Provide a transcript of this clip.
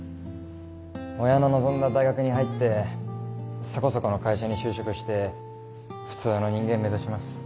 親の望んだ大学に入ってそこそこの会社に就職して普通の人間目指します。